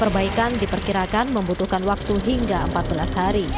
perbaikan diperkirakan membutuhkan waktu hingga empat belas hari